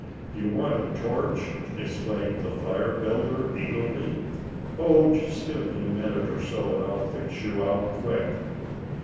"Do you want a torch?" exclaimed the fire builder, eagerly. "Oh! just give me a minute or so, and I'll fix you out quick."